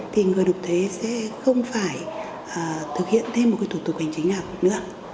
thì người nộp thuế sẽ không phải thực hiện thêm một thủ tục hành chính nào nữa